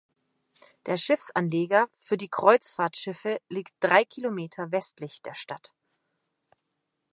Der Schiffsanleger für die Kreuzfahrtschiffe liegt drei Kilometer westlich der Stadt.